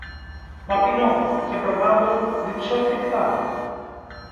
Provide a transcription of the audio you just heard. Μα πεινώ, και προπάντων διψώ φρικτά